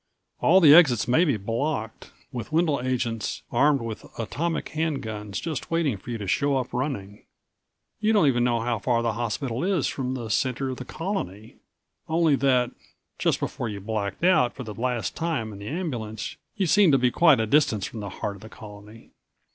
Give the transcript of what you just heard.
All the exits may be blocked, with Wendel agents aimed with atomic hand guns just waiting for you to show up running. You don't even know how far the hospital is from the center of the Colony, only that just before you blacked out for the last time in the ambulance you seemed to be quite a distance from the heart of the Colony.